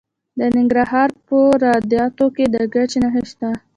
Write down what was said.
د ننګرهار په روداتو کې د ګچ نښې شته.